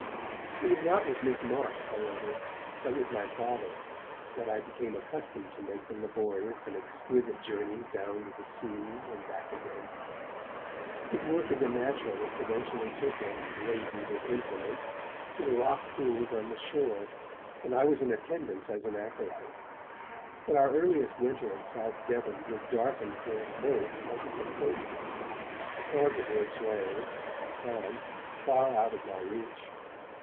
It was not with Miss Marks, however, but with my Father, that I became accustomed to make the laborious and exquisite journeys down to the sea and back again. His work as a naturalist eventually took him, laden with implements, to the rock pools on the shore, and I was in attendance as an acolyte. But our earliest winter in South Devon was darkened for us both by disappointments, the cause of which lay, at the time, far out of my reach.